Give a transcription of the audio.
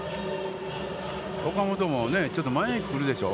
岡本もちょっと前に来るでしょう。